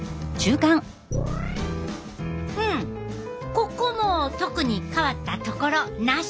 ここも特に変わったところなし！